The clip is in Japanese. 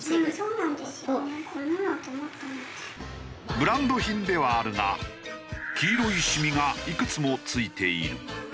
ブランド品ではあるが黄色いシミがいくつも付いている。